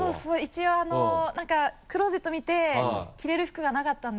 一応なんかクローゼット見て着れる服がなかったんで。